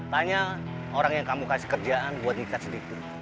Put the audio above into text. tanya orang yang kamu kasih kerjaan buat nikmat si dikdik